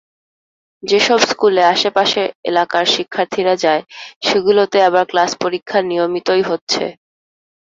যেসব স্কুলে আশপাশের এলাকার শিক্ষার্থীরা যায়, সেগুলোতে আবার ক্লাস-পরীক্ষা নিয়মিতই হচ্ছে।